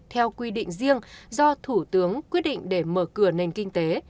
theo quy định riêng do thủ tướng quyết định để mở cửa nền kinh tế